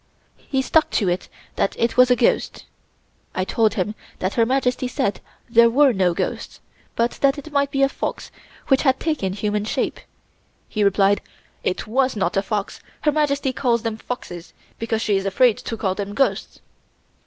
He stuck to it that it was a ghost. I told him that Her Majesty had said there were no ghosts, but that it might be a fox which had taken human shape. He replied: "It was not a fox. Her Majesty calls them foxes, because she is afraid to call them ghosts."